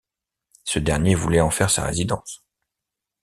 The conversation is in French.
Ce dernier voulait en faire sa résidence.